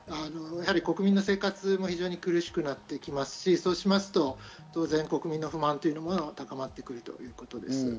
やはり国民の生活も非常に苦しくなってきますし、そうしますと当然、国民の不満というものもたまってくると思います。